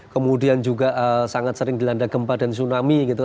kemudian juga sangat sering dilanda gempa dan tsunami gitu